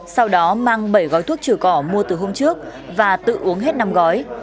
sau đó mang bảy gói thuốc trừ cỏ mua từ hôm trước và tự uống hết năm gói